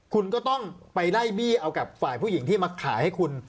คุณก็ต้องไปไล่บี้เอากับฝ่ายผู้หญิงที่มาขายให้คุณ